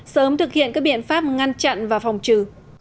sớm thực hiện các biện pháp ngăn chặn và phòng trừ